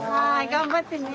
頑張ってね。